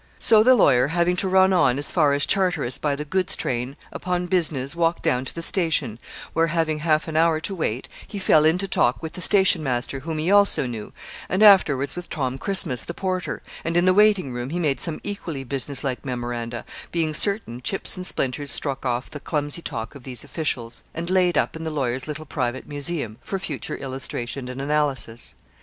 So the lawyer, having to run on as far as Charteris by the goods train, upon business, walked down to the station, where, having half an hour to wait, he fell into talk with the station master, whom he also knew, and afterwards with Tom Christmas, the porter; and in the waiting room he made some equally business like memoranda, being certain chips and splinters struck off the clumsy talk of these officials, and laid up in the lawyer's little private museum, for future illustration and analysis.